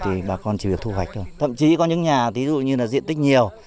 thì bà con chỉ việc thu hoạch thôi thậm chí có những nhà tí dụ như diện tích nhiều